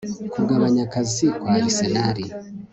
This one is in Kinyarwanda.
Kugabanya akazi kwa Arsenal